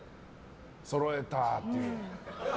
そろえた！っていう。